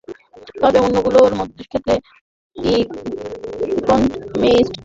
তবে অন্যগুলোর ক্ষেত্রে ইকোনমিস্ট-এর পর্যবেক্ষণ কিছুটা সত্যি বলে মেনে নেন তিনি।